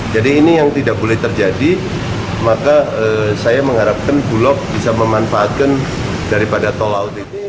jadi ini yang tidak boleh terjadi maka saya mengharapkan bulog bisa memanfaatkan daripada tol laut ini